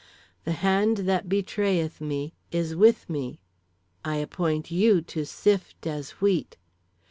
"The hand that betrayeth me is with me. "I appoint you to sift as wheat.